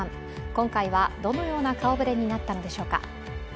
今回はどのような顔ぶれになったのでしょうか。